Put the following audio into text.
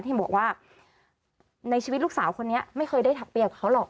ที่บอกว่าในชีวิตลูกสาวคนนี้ไม่เคยได้ทักไปกับเขาหรอก